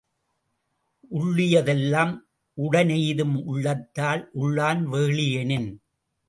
உள்ளிய தெல்லாம் உடனெய்தும் உள்ளத்தால் உள்ளான் வெகுளி யெனின்.